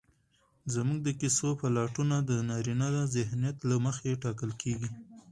زموږ د کيسو پلاټونه د نارينه ذهنيت له مخې ټاکل کېږي